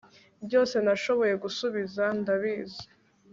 byose nashoboye gusubiza. ndabizi